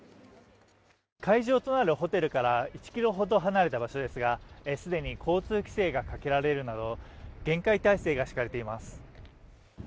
会場となるホテルから１ｋｍほど離れた場所ですが既に交通規制がかけられるなど厳戒態勢が敷かれています。